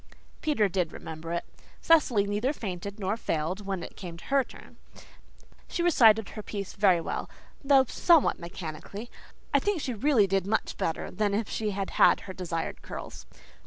Peter did remember it. Cecily neither fainted nor failed when it came her turn. She recited her little piece very well, though somewhat mechanically. I think she really did much better than if she had had her desired curls.